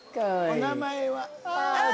お名前は？